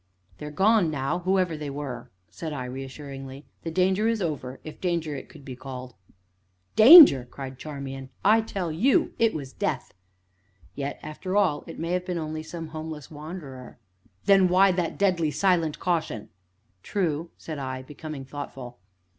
"They are gone now whoever they were," said I reassuringly; "the danger is over if danger it could be called." "Danger!" cried Charmian. "I tell you it was death." "Yet, after all, it may have been only some homeless wanderer." "Then why that deadly, silent caution?" "True!" said I, becoming thoughtful.